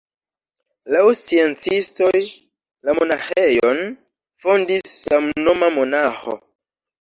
Laŭ sciencistoj, la monaĥejon fondis samnoma monaĥo.